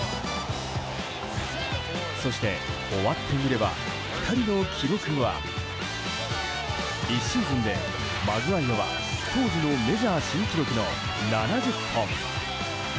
そして、終わってみれば２人の記録は１シーズンでマグワイアは当時のメジャー新記録の７０本。